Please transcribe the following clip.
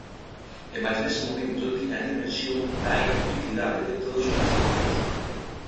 E mais nese momento tiña a dimensión da inutilidade de todos os esforzos.